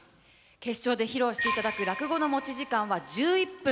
決勝で披露していただく落語の持ち時間は１１分。